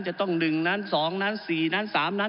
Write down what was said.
จะต้อง๑นั้น๒นั้น๔นั้น๓นั้น